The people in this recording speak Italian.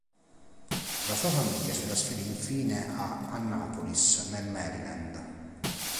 La sua famiglia si trasferì infine a Annapolis nel Maryland.